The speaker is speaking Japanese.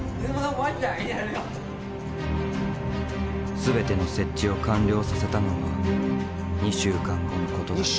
全ての設置を完了させたのは２週間後のことだった。